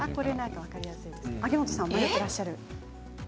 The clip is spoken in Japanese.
秋元さん迷っていらっしゃる。